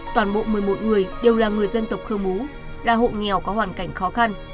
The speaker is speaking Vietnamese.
toàn bộ một mươi một người đều là người dân tộc khơ mú là hộ nghèo có hoàn cảnh khó khăn